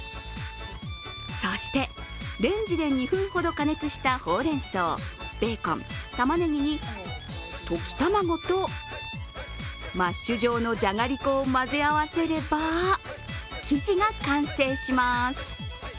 そして、レンジで２分ほど加熱したほうれんそう、ベーコン、玉ねぎに溶き卵とマッシュ状のじゃがりこを混ぜ合わせれば生地が完成します。